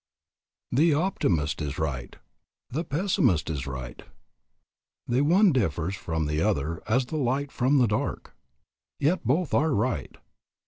The optimist is right. The pessimist is right. The one differs from the other as the light from the dark. Yet both are right.